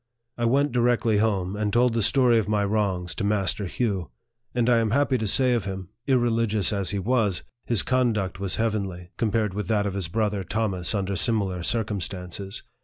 I went directly home, and told the story of my UFE OF FREDERICK DOUGLASS. 97 wrongs to Master Hugh ; and I am happy to say of him, irreligious as he was, his conduct was heavenly, com pared with that of his brother Thomas under similar circumstances.